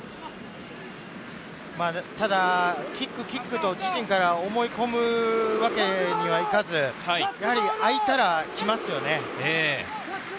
ただキック、キックと自陣から思い込むわけにはいかず、やはり空いたら来ますよね。